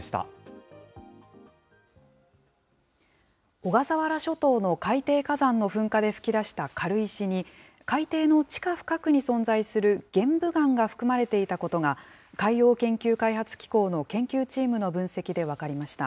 小笠原諸島の海底火山の噴火で噴き出した軽石に、海底の地下深くに存在する玄武岩が含まれていたことが、海洋研究開発機構の研究チームの分析で分かりました。